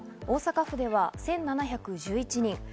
大阪府では１７１１人。